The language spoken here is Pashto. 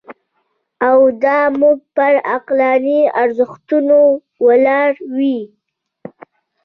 او دا موږ پر عقلاني ارزښتونو ولاړ وي.